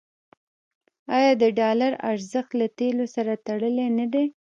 آیا د ډالر ارزښت له تیلو سره تړلی نه دی؟